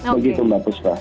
begitu mbak puspa